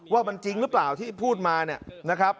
ว่ามันจริงหรือเปล่าที่พูดมาเนี่ยนะครับ